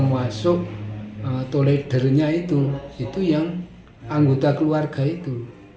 masuk to leadernya itu itu yang anggota keluarga itu